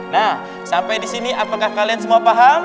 nah sampai di sini apakah kalian semua paham